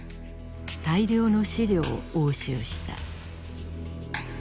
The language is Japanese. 大量の資料を押収した。